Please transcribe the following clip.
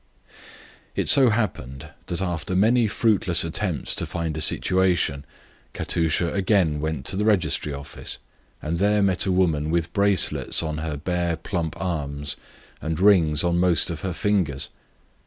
It so happened that, after many fruitless attempts to find a situation, Katusha again went to the registry office, and there met a woman with bracelets on her bare, plump arms and rings on most of her fingers.